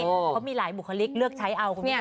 เพราะมีหลายบุคลิกเลือกใช้เอาคุณพี่โต๊ะ